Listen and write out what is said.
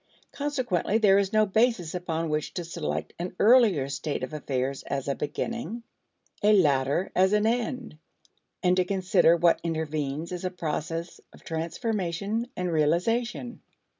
Consequently there is no basis upon which to select an earlier state of affairs as a beginning, a later as an end, and to consider what intervenes as a process of transformation and realization.